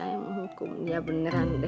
saya mau hukum dia beneran deh